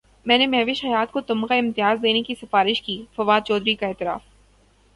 میں نے مہوش حیات کو تمغہ امتیاز دینے کی سفارش کی فواد چوہدری کا اعتراف